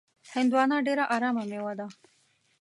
هندوانه ډېره ارامه میوه ده.